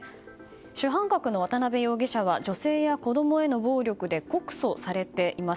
主犯格の渡辺容疑者は女性や子供への暴力で告訴されています。